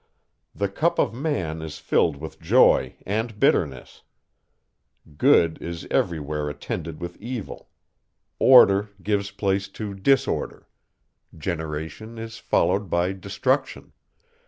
The cup of man is filled with joy and bitterness; good is every where attended with evil; order gives place to disorder; generation is followed by destruction.